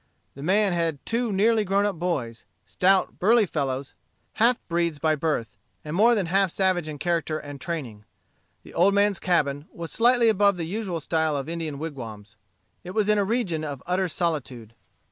The man had two nearly grown up boys, stout, burly fellows, half breeds by birth, and more than half savage in character and training. The old man's cabin was slightly above the usual style of Indian wigwams. It was in a region of utter solitude.